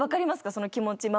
その気持ち。